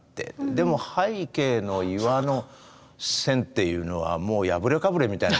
でも背景の岩の線というのはもう破れかぶれみたいな描き方ですよね。